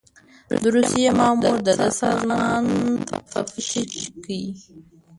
د روسيې مامور د ده سامان تفتيش کړ.